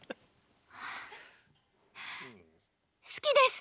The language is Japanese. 好きです。